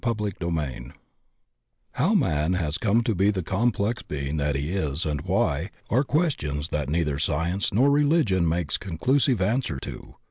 CHAPTER VIII HOW man has come to be the complex being that he is and why, are questions that neither Science nor Religion makes conclusive answer to.